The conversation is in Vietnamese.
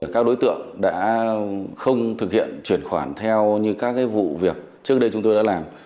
các đối tượng đã không thực hiện chuyển khoản theo như các vụ việc trước đây chúng tôi đã làm